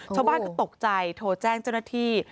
ชาวบ้านก็ตกใจโทรแจ้งเจ้าหน้าที่